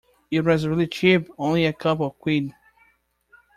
It was really cheap! Only a couple of quid!